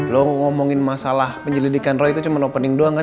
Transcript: lo ngomongin masalah penyelidikan roh itu cuma opening doang kan